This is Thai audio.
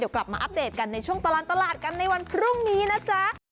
กลับมาอัปเดตกันในช่วงตลอดตลาดกันในวันพรุ่งนี้นะจ๊ะ